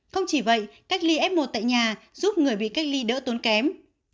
không chỉ vậy cách ly f một tại nhà giúp người bị cách ly đỡ tốn kém